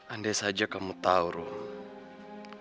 andai saja kamu tau rum